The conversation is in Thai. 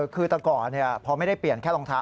คือแต่ก่อนพอไม่ได้เปลี่ยนแค่รองเท้า